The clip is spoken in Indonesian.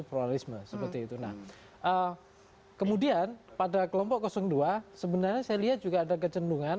pluralisme seperti itu nah kemudian pada kelompok dua sebenarnya saya lihat juga ada kecendungan